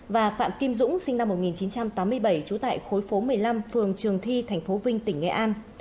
và phạm kim dũng sinh năm một nghìn chín trăm tám mươi bảy trú tại khối phố một mươi năm phường trường thi tp vinh tỉnh nghệ an